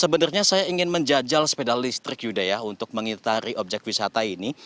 sebenarnya saya ingin menjajal sepeda listrik yuda ya untuk mengitari objek wisata ini